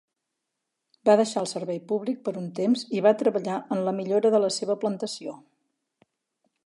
Va deixar el servei públic per un temps i va treballar en la millora de la seva plantació.